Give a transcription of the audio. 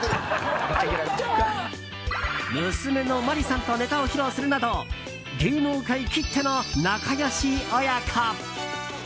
娘の麻里さんとネタを披露するなど芸能界きっての仲良し親子。